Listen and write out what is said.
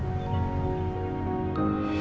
terima kasih banyak